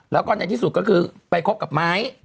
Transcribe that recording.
แล้วก็ในที่สุดก็คือไปคบกับไม้